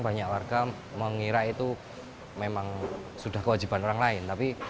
banyak warga mengira itu memang sudah kewajiban orang lain